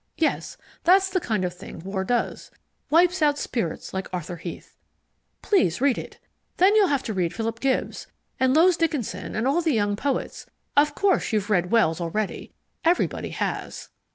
Yes, that's the kind of thing War does wipes out spirits like Arthur Heath. Please read it. Then you'll have to read Philip Gibbs, and Lowes Dickinson and all the young poets. Of course you've read Wells already. Everybody has."